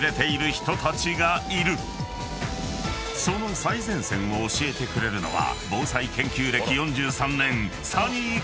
［その最前線を教えてくれるのは］